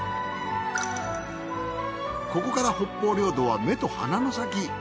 ここから北方領土は目と鼻の先。